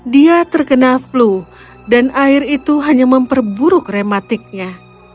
dia terkena flu dan air itu hanya memperburuk reumatiknya